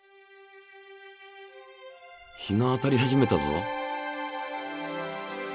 日が当たり始めたぞ。